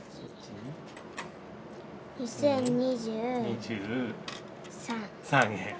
２，０２３。